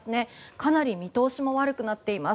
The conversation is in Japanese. かなり見通しも悪くなっています。